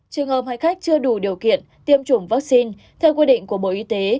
trường hợp hành khách chưa đủ điều kiện tiêm chủng vaccine theo quy định của bộ y tế